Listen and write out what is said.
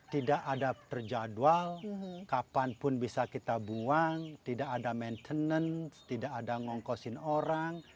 tidak ada terjadwal kapanpun bisa kita buang tidak ada maintenance tidak ada ngongkosin orang